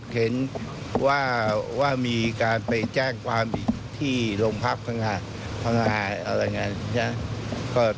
เห็นว่ามีการไปแจ้งความผิดที่โรงพัฒน์ธนาภาร์ธนาภัฒน์